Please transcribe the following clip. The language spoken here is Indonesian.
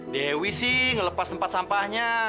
dewi sih ngelepas tempat sampahnya